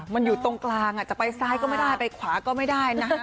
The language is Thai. มันอยู่ตรงกลางจะไปซ้ายก็ไม่ได้ไปขวาก็ไม่ได้นะฮะ